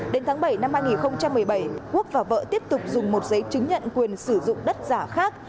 đến tháng bảy năm hai nghìn một mươi bảy quốc và vợ tiếp tục dùng một giấy chứng nhận quyền sử dụng đất giả khác